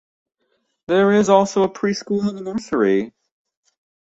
There is also a pre-school and a nursery.